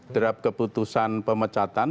drop keputusan pemecatan